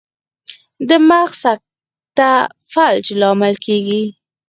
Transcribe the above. د مغز سکته فلج لامل کیږي